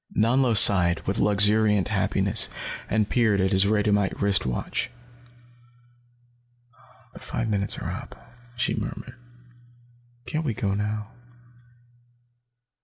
Nanlo sighed, with luxuriant happiness, and peered at his radiumite wrist watch. "The five minutes are up," she murmured. "Can't we go now?"